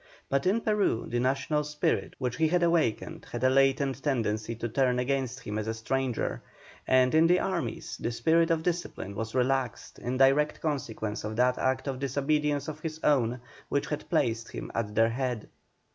But in Peru the national spirit which he had awakened had a latent tendency to turn against him as a stranger, and in the armies the spirit of discipline was relaxed in direct consequence of that act of disobedience of his own which had placed him at their head.